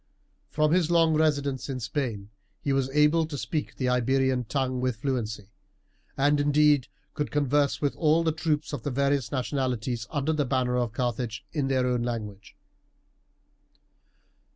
From his long residence in Spain he was able to speak the Iberian tongue with fluency, and indeed could converse with all the troops of the various nationalities under the banner of Carthage in their own language.